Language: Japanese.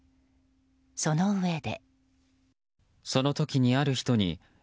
そのうえで。